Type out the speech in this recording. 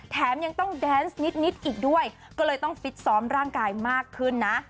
แถมยังต้องแดนส์นิดอีกด้วยก็เลยต้องฟิตซ้อมร่างกายมากขึ้นนะ